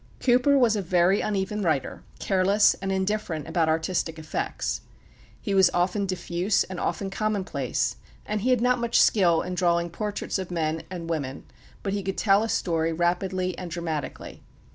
Cooper was a very uneven writer, careless, and indifferent about artistic effects. He was often diffuse and often commonplace, and he had not much skill in drawing portraits of men and women; but he could tell a story rapidly and dramatically.